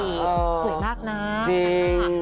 สวยมากนะจริง